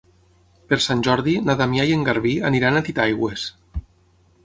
Per Sant Jordi na Damià i en Garbí aniran a Titaigües.